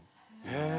へえ。